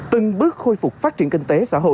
từng bước khôi phục phát triển kinh tế